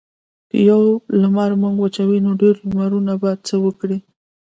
که یو لمر موږ وچوي نو ډیر لمرونه به څه وکړي.